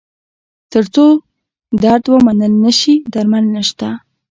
تر څو درد ومنل نه شي، درمل نشته.